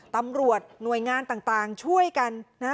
ตำรวจหน่วยงานต่างช่วยกันนะ